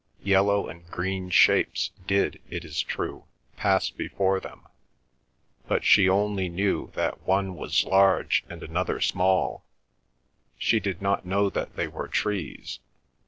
Yellow and green shapes did, it is true, pass before them, but she only knew that one was large and another small; she did not know that they were trees.